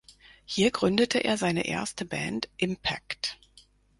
Hier gründete er seine erste Band "Impact".